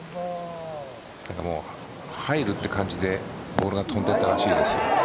入るって感じでボールが飛んでたらしいですね。